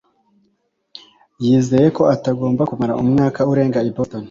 yizeye ko atagomba kumara umwaka urenga i Boston.